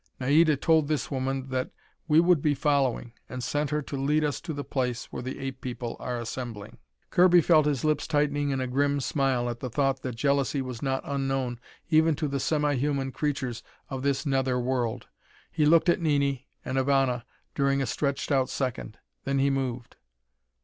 Naida told this woman that we would be following, and sent her to lead us to the place where the ape people are assembling!" Kirby felt his lips tightening in a grim smile at the thought that jealousy was not unknown even to the semi human creatures of this neither world. He looked at Nini and Ivana during a stretched out second. Then he moved.